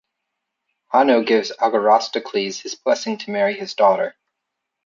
Hanno gives Agorastocles his blessing to marry his daughter.